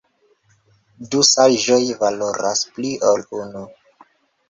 Du saĝoj valoras pli ol unu!